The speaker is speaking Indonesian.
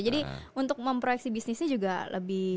jadi untuk memproyeksi bisnisnya juga lebih